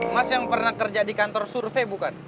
mas yang pernah kerja di kantor survei bukan